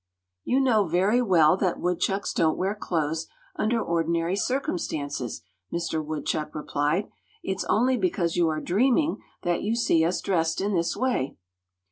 "You know very well that woodchucks don't wear clothes, under ordinary circumstances," Mister Woodchuck replied. "It's only because you are dreaming that you see us dressed in this way."